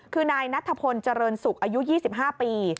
คือนายนัทพลเจริญศุกร์อายุ๒๕ปี